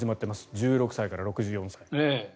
１６歳から６４歳。